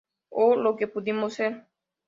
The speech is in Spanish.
O lo que pudimos ser.